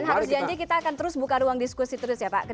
dan harus janji kita akan terus buka ruang diskusi terus ya pak